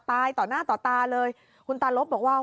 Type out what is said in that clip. ต่อหน้าต่อตาเลยคุณตาลบบอกว่า